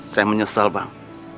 saya menyesal bang